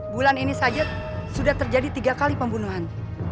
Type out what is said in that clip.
bulan ini saja sudah terjadi tiga kali pembunuhan